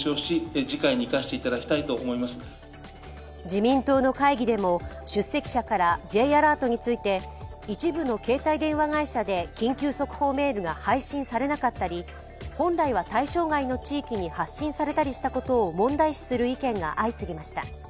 自民党の会議でも、出席者からＪアラートについて一部の携帯電話会社で緊急速報メールが配信されなかったり本来は対象外の地域に発信されたりしたことを問題視する意見が相次ぎました。